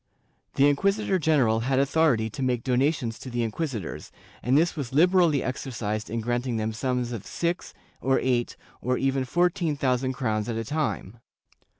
The inquisitor general had authority to make donations to the inquisitors, and this was liberally exercised in granting them sums of six, or eight, or even fourteen thousand crowns at a time.